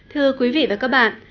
thưa quý vị và các bạn